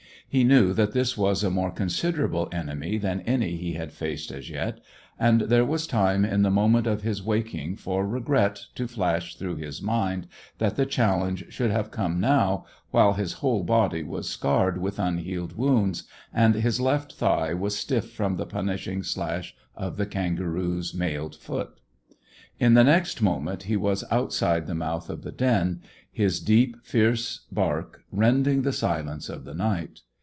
He knew that this was a more considerable enemy than any he had faced as yet, and there was time in the moment of his waking for regret to flash through his mind that the challenge should have come now, while his whole body was scarred with unhealed wounds, and his left thigh was stiff from the punishing slash of the kangaroo's mailed foot. In the next moment he was outside the mouth of the den, his deep, fierce bark rending the silence of the night.